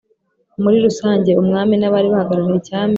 muri rusange:– umwami n' abari bahagarariye cyami